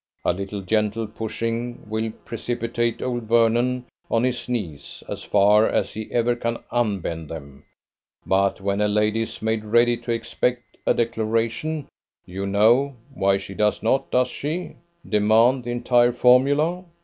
A little gentle pushing will precipitate old Vernon on his knees as far as he ever can unbend them; but when a lady is made ready to expect a declaration, you know, why, she does not does she? demand the entire formula?